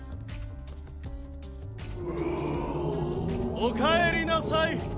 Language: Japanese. おかえりなさい。